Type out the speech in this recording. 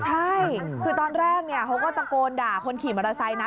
ใช่คือตอนแรกเขาก็ตะโกนด่าคนขี่มอเตอร์ไซค์นะ